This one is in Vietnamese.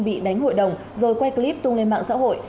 bị đánh hội đồng rồi quay clip tung lên mạng xã hội